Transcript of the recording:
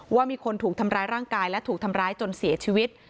ว่ามีคนถูกทำร้ายร่างกายและถูกทำร้ายจนเสียชีวิต